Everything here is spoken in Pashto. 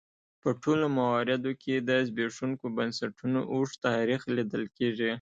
په ټولو مواردو کې د زبېښونکو بنسټونو اوږد تاریخ لیدل کېږي.